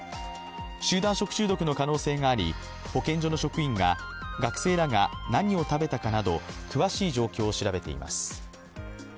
集団食中毒の可能性があり保健所の職員が学生らが何を食べたかなど詳しい状況を調べています。